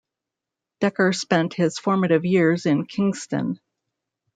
Dekker spent his formative years in Kingston.